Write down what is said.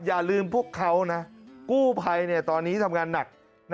อย่าลืมพวกเขานะกู้ภัยตอนนี้ทำงานหนัก